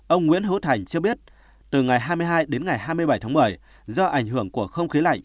ông nguyễn hữu thành cho biết từ ngày hai mươi hai đến ngày hai mươi bảy tháng một mươi do ảnh hưởng của không khí lạnh